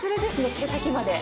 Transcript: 毛先まで。